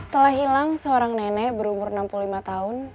telah hilang seorang nenek berumur enam puluh lima tahun